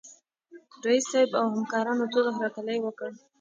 رييس صاحب او همکارانو تود هرکلی وکړ.